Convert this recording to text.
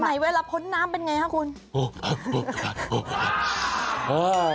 ไหนเวลาพ้นน้ำเป็นไงฮะคุณโอ๊ะโอ๊ะโอ๊ะโอ๊ะ